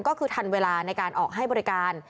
ก็คือทันเวลาในการออกให้บริการ